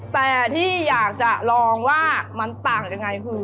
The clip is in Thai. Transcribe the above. แต่ที่อยากจะลองว่ามันต่างยังไงคือ